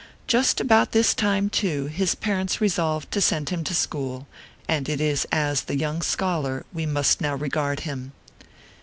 Just about this time, too, his parents resolved to send him to school, and it is as the young scholar we must now regard him.